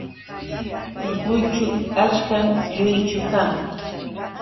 Urqućhu achkam lluychu kan.